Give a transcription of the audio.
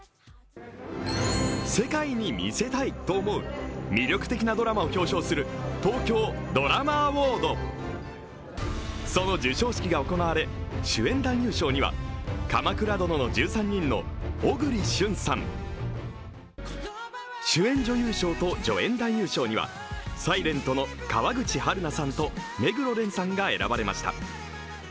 世界に見せたいと思う魅力的なドラマを表彰する東京ドラマアウォード、その授賞式が行われ主演男優賞には、「鎌倉殿の１３人」の小栗旬さん、主演女優賞と助演男優賞には「ｓｉｌｅｎｔ」の川口春奈さんと目黒蓮さんが選ばれました。